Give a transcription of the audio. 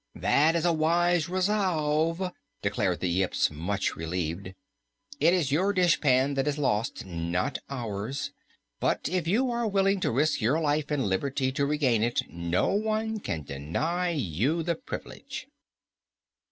"That is a wise resolve," declared the Yips, much relieved. "It is your dishpan that is lost, not ours. And if you are willing to risk your life and liberty to regain it, no one can deny you the privilege."